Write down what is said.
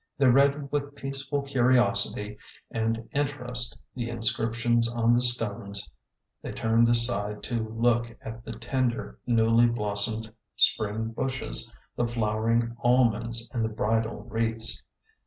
They read with peace ful curiosity and interest the inscriptions on the stones ; they turned aside to look at the tender, newly blossomed spring bushes the flowering almonds and the bridal wreaths.